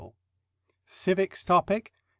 CIVICS TOPICS.